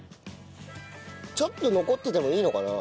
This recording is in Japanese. ちょっと残っててもいいのかな？